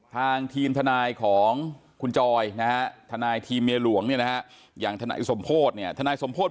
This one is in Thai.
ทางทีมทนายของคุณจอยนะฮะทนายทีมเมียหลวงเนี่ยนะฮะอย่างทนายสมโพธิเนี่ยทนายสมโพธิ